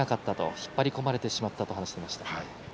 引っ張り込まれてしまったと話していました。